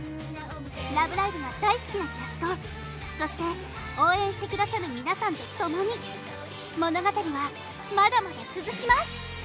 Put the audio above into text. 「ラブライブ！」が大好きなキャストそして応援して下さる皆さんと共に物語はまだまだ続きます！